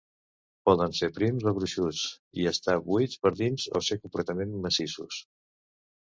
Poden ser prims o gruixuts, i estar buits per dins o ser completament massissos.